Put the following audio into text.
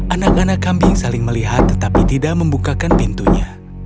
anak anak kambing saling melihat tetapi tidak membukakan pintunya